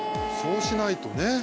そうしないとね。